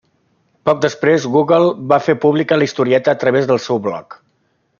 Poc després, Google va fer pública la historieta a través del seu blog.